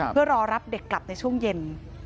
เพื่อรอรับเด็กกลับในช่วงเย็น